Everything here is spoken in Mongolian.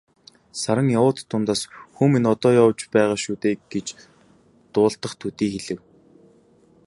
Саран явуут дундаа "Хүү минь одоо явж байгаа шүү дээ" гэж дуулдах төдий хэлэв.